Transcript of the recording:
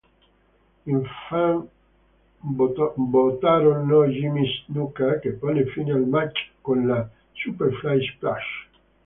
I fan votarono Jimmy Snuka che pone fine al Match con la Superfly Splash.